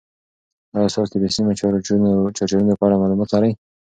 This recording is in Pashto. ایا تاسو د بې سیمه چارجرونو په اړه معلومات لرئ؟